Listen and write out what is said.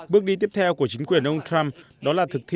bước đi tiếp theo của chính quyền ông trump